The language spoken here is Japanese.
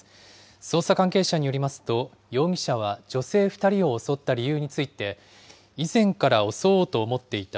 捜査関係者によりますと、容疑者は女性２人を襲った理由について、以前から襲おうと思っていた。